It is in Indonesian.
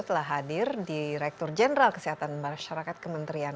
telah hadir direktur jenderal kesehatan masyarakat kementerian